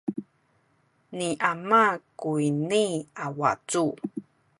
ni ama kuyni a wacu.